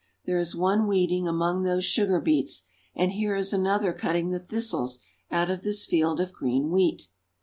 There is one weeding among those sugar beets, and here is another cutting the thistles out of this field of green wheat.